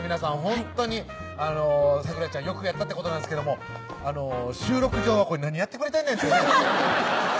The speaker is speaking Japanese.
ほんとに咲楽ちゃんよくやったってことなんですけども収録上は何やってくれてんねんっていうね